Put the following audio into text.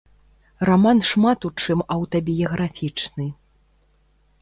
Раман шмат у чым аўтабіяграфічны.